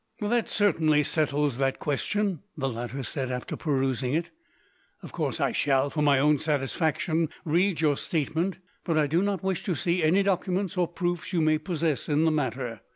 "That certainly settles that question," the latter said, after perusing it. "Of course I shall, for my own satisfaction, read your statement; but I do not wish to see any documents or proofs you may possess in the matter.